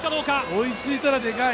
追いついたらでかい。